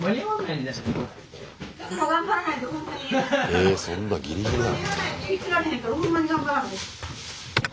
えそんなギリギリなの。